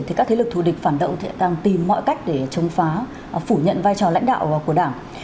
thì các thế lực thù địch phản động càng tìm mọi cách để chống phá phủ nhận vai trò lãnh đạo của đảng